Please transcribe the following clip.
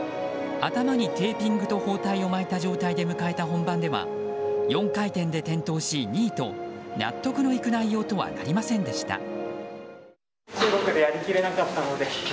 頭にテーピングと包帯を巻いた状態で迎えた本番では４回転で転倒し、２位と納得のいく内容とはなりませんでした。